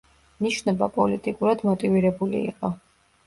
ნიშნობა პოლიტიკურად მოტივირებული იყო.